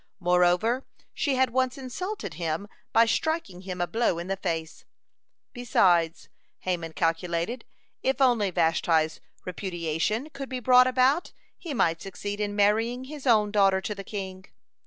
Moreover, she had once insulted him by striking him a blow in the face. Besides, Haman calculated, if only Vashti's repudiation could be brought about, he might succeed in marrying his own daughter to the king.